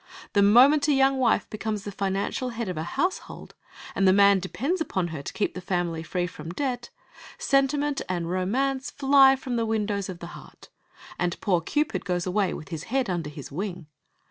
The moment a young wife becomes the financial head of a household, and the man depends upon her to keep the family free from debt, sentiment and romance fly from the windows of the heart, and poor Cupid goes away with his head under his wing.